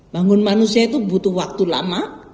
bangun manusia itu butuh waktu lama